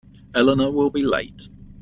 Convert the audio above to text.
Elena will be late.